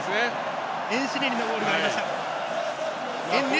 エンネシリのゴールがありました。